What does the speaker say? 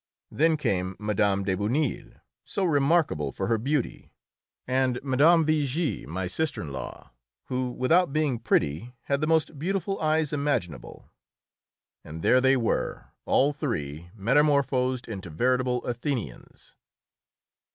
Then came Mme. de Bonneuil, so remarkable for her beauty, and Mme. Vigée, my sister in law, who, without being pretty, had the most beautiful eyes imaginable. And there they were, all three, metamorphosed into veritable Athenians.